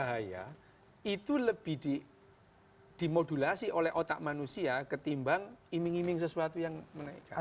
bahaya itu lebih dimodulasi oleh otak manusia ketimbang iming iming sesuatu yang menaikkan